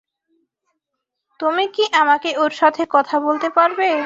তুমি কি আমাকে ওর সাথে কথা বলতে পারবে?